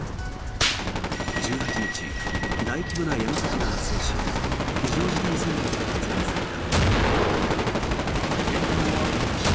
１８日、大規模な山火事が発生し非常事態宣言が発令された。